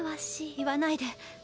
言わないで。